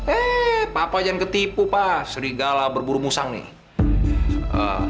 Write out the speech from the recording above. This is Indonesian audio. eh papa jangan ketipu pak serigala berburu musang nih